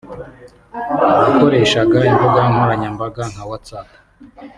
abakoreshaga imbuga nkoranyambaga nka WhatsApp